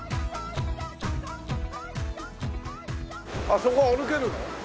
あそこ歩けるの？